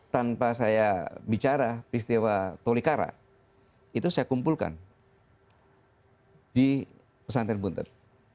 tanpa saya bicara peristiwa tolikara itu saya kumpulkan di pesantren buntet